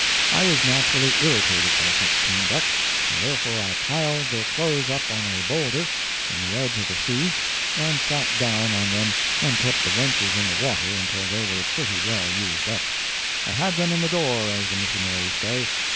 I was naturally irritated by such conduct, and therefore I piled their clothes up on a boulder in the edge of the sea and sat down on them and kept the wenches in the water until they were pretty well used up. I had them in the door, as the missionaries say.